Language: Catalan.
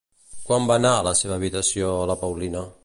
Quan va anar a la seva habitació la Paulina?